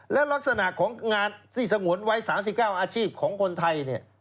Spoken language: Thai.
และลักษณะของงานที่สงวนไว้๓๙อาชีพของคนไทยเนี่ย